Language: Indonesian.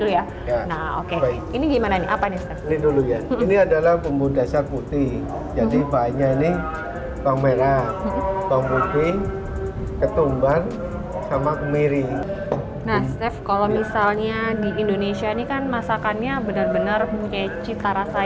yang biasanya ada di bumbu dasar indonesia tapi tidak ada di negara lain apa nih